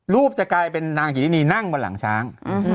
จะกลายเป็นนางกิรินีนั่งบนหลังช้าง